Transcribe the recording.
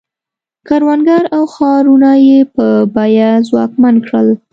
کروندګر او ښارونه یې په بیه ځواکمن کړل.